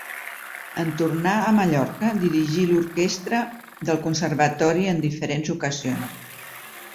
En tornar a Mallorca dirigí l'orquestra del conservatori en diferents ocasions.